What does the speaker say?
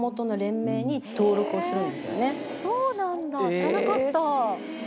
知らなかったえ！